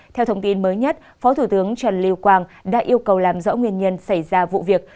theo thông tin mới nhất phó thủ tướng trần lưu quang đã yêu cầu làm rõ nguyên nhân xảy ra vụ việc